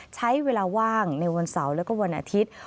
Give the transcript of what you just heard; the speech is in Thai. ใช้เวลาว่างในวันเสาร์แล้วก็วันอาทิตย์